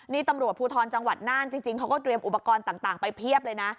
นี่ตำรวจภูทรจังหวัดน่านจริงเขาก็เตรียมอุปกรณ์ต่างไปเพียบเลยนะ